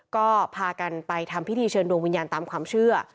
ก็พากันไปทำพิธีเชิญดวงวิญญาณตามความเชื่อ